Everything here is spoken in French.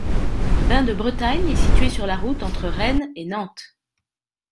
Bain-de-Bretagne est située sur la route entre Rennes et Nantes.